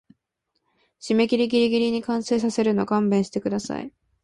締切ギリギリに完成させるの勘弁してください